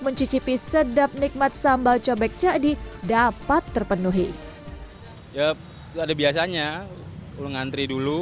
mencicipi sedap nikmat sambal cobek jadi dapat terpenuhi yup ada biasanya pulang antri dulu